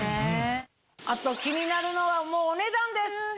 あと気になるのはお値段です！